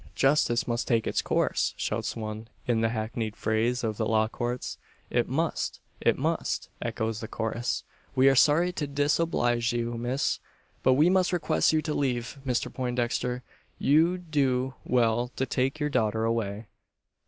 "Justice must take its course!" shouts one, in the hackneyed phrase of the law courts. "It must! it must!" echoes the chorus. "We are sorry to disoblige you, miss; but we must request you to leave. Mr Poindexter, you'd do well to take your daughter away."